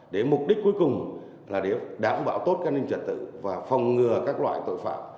để mục đích cuối cùng là để đảm bảo tốt an ninh trật tự và phòng ngừa các loại tội phạm